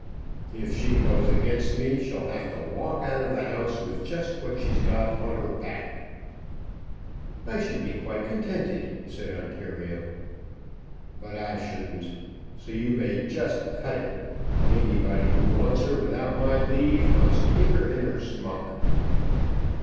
"If she goes against me she'll have to walk out of the house with just what she's got on her back." "I should be quite contented," said Ontario. "But I shouldn't; so you may just cut it. Anybody who wants her without my leave must take her in her smock."